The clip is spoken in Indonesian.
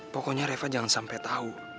pokoknya rafa jangan sampai tau